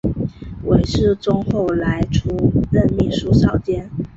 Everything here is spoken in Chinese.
韦士宗后来出任秘书少监。